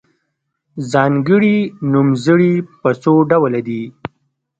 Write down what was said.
ځانګړي نومځري په څو ډوله دي.